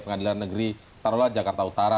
pengadilan negeri taruhlah jakarta utara